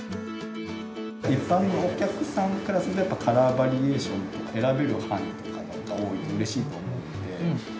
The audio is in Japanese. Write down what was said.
一般のお客さんからするとカラーバリエーションとか選べる範囲とかなんか多いと嬉しいと思うので。